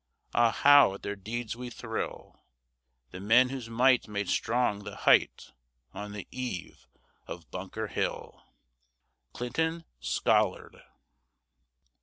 Ah, how at their deeds we thrill, The men whose might made strong the height on the eve of Bunker Hill! CLINTON SCOLLARD.